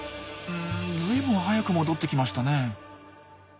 ずいぶん早く戻ってきましたね。